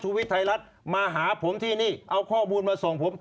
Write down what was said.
วิทย์ไทยรัฐมาหาผมที่นี่เอาข้อมูลมาส่งผม